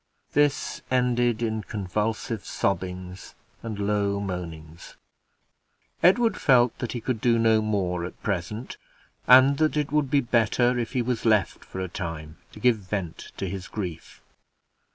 This ended in convulsive sobbings and low moanings. Edward felt that he could do no more at present, and that it would be better if he was left for a time to give vent to his grief.